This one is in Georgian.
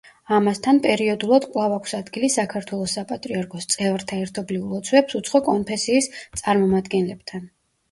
ამასთან, პერიოდულად კვლავ აქვს ადგილი საქართველოს საპატრიარქოს წევრთა ერთობლივ ლოცვებს უცხო კონფესიის წარმომადგენლებთან.